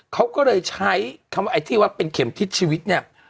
เขาก็เลยใช้คำว่าไอ้ที่ว่าเป็นเข็มทิศชีวิตเนี่ย